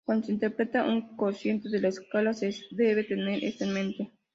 Cuando se interpreta un cociente de la escala se debe tener esto en mente.